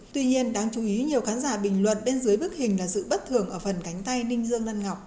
tuy nhiên đáng chú ý nhiều khán giả bình luận bên dưới bức hình là sự bất thường ở phần cánh tay ninh dương văn ngọc